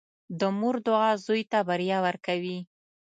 • د مور دعا زوی ته بریا ورکوي.